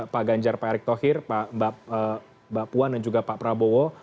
pak ganjar pak erick thohir mbak puan dan juga pak prabowo